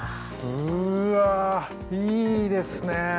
うわあいいですね。